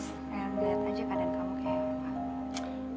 lihat aja keadaan kamu kayak apa